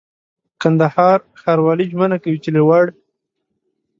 کندهار ښاروالي ژمنه کوي چي له وړ